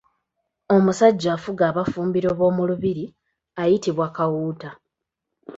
Omusajja afuga abafumbiro b’omu lubiri ayitibwa Kawuuta.